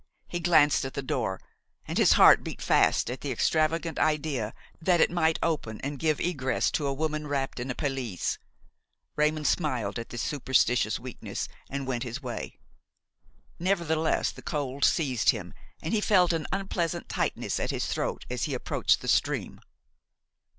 He glanced at the door, and his heart beat fast at the extravagant idea that it might open and give egress to a woman wrapped in a pelisse. Raymon smiled at this superstitious weakness and went his way. Nevertheless the cold seized him, and he felt an unpleasant tightness at his throat as he approached the stream.